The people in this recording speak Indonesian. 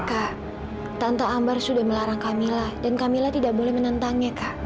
kak tante ambar sudah melarang kamila dan kamila tidak boleh menentangnya kak